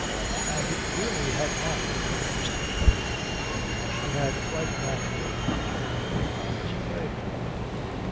And it really had not interested her. She had quite naturally turned her eyes away.